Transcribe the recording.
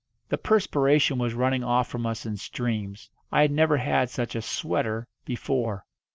The perspiration was running off from us in streams I had never had such a "sweater" before!